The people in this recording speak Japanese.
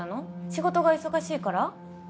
仕事が忙しいから？